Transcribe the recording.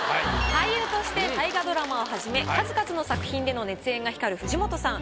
俳優として大河ドラマをはじめ数々の作品での熱演が光る藤本さん。